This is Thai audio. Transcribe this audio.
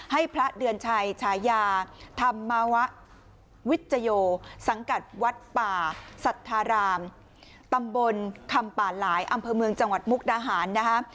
พระเดือนชัยฉายาธรรมวะวิจโยสังกัดวัดป่าสัทธารามตำบลคำป่าหลายอำเภอเมืองจังหวัดมุกดาหารนะคะ